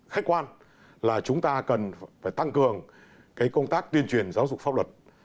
khách quan là chúng ta cần phải tăng cường công tác tuyên truyền giáo dục pháp luật